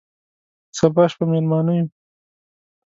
سبا شپه مېلمانه یو،